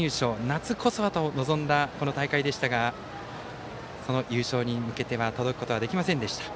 夏こそはと臨んだこの大会でしたが優勝に向けては届くことはできませんでした。